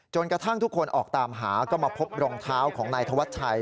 กระทั่งทุกคนออกตามหาก็มาพบรองเท้าของนายธวัชชัย